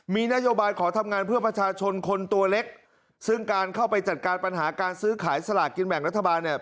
มีนโยบายขอทำงานเพื่อประชาชนคนตัวเล็กซึ่งการเข้าไปจัดการปัญหาการซื้อขายสลากกินแบ่งรัฐบาลเนี่ย